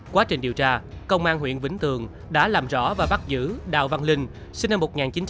quá trình điều tra công an huyện vĩnh tường đã làm rõ và bắt giữ đào văn linh sinh năm một nghìn chín trăm tám mươi